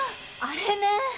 あれね。